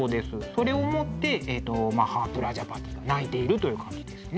それを思ってマハー・プラジャーパティー泣いているという感じですね。